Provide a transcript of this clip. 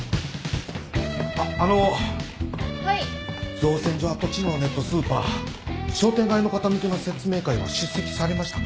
造船所跡地のネットスーパー商店街の方向けの説明会は出席されましたか？